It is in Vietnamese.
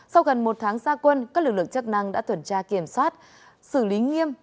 sau gần một tháng xa quân các lực lượng chắc năng đã tuần tra kiểm soát xử lý nghiêm